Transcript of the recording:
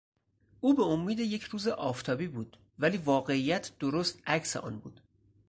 او به امید یک روز آفتابی بود ولی واقعیت درست عکس آن بود.